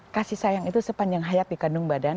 kasih sayang itu sepanjang hayat dikandung badan